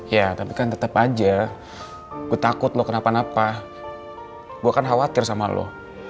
ya tapi kan tetap aja gue takut lo kenapa napa gue kan khawatir sama lo